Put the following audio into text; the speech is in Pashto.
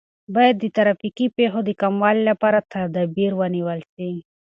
باید د ترافیکي پیښو د کموالي لپاره تدابیر ونیول سي.